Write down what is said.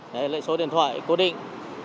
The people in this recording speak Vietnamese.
lệ số điện thoại cố định